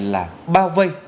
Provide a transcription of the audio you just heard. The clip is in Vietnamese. là bao vây